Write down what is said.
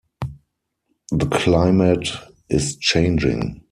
The climate is changing.